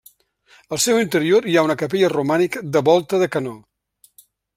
Al seu interior hi ha una capella romànica de volta de canó.